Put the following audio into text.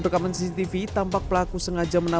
penelerut light gas biaya saya tersedengar lengan painful